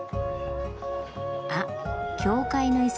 あっ教会の遺跡